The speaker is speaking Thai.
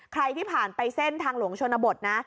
ใครที่ผ่านไปเส้นทางหลวงชนบทนะ